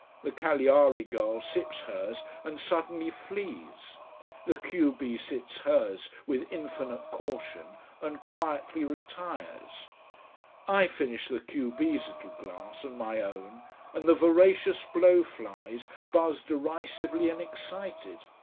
The Cagliari girl sips hers and suddenly flees. The q b sips hers with infinite caution, and quietly retires. I finish the q b's little glass, and my own, and the voracious blow flies buzz derisively and excited.